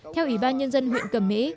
theo ủy ban nhân dân huyện cẩm mỹ